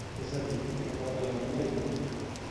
És a dir, que dóna la vida al mort.